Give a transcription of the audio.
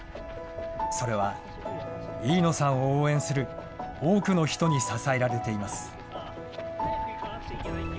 それは、飯野さんを応援する多くの人に支えられています。